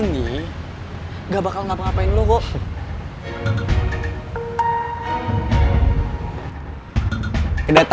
terus alex semua ini mau apa